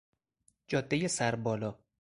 جادهی سربالا